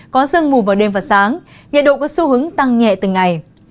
có sương mù vào đêm và sáng nhiệt độ có xu hướng tăng nhẹ từng ngày